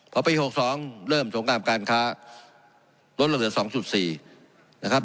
พอปี๖๒เริ่มสงครามการค้าลดลงเหลือ๒๔นะครับ